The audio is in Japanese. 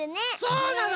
そうなの！